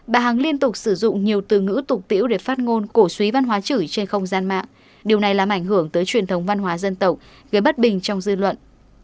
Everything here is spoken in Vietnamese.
bà hằng liên tục sử dụng nhiều từ ngữ tục tiễu để phát ngôn cổ suý văn hóa chửi trên không gian mạng điều này làm ảnh hưởng tới truyền thống văn hóa dân tộc gây bất bình trong dư luận